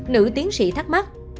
nữ tiến sĩ thắc mắc